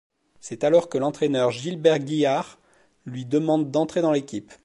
C'est alors que l'entraîneur Gilbert Guihard lui demande d'entrer dans l'équipe.